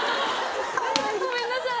ごめんなさい。